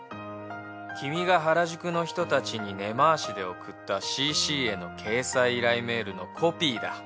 君が原宿の人たちに根回しで送った『ＣＣ』への掲載依頼メールのコピーだ。